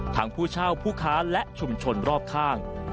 ผู้เช่าผู้ค้าและชุมชนรอบข้าง